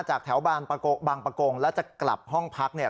จากแถวบางประกงแล้วจะกลับห้องพักเนี่ย